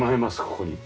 ここに。